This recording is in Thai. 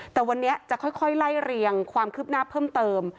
แต่วันนี้จะค่อยไล่เรียงความคืบหน้าเพิ่มเติม